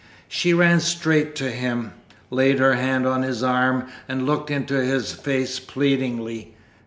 She ran straight to him, laid her hand on his arm and looked into his face pleadingly.